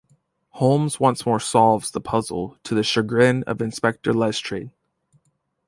Holmes once more solves the puzzle to the chagrin of Inspector Lestrade.